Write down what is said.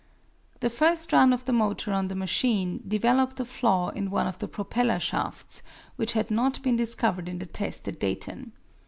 The first run of the motor on the machine developed a flaw in one of the propeller shafts which had not been discovered in the test at Dayton.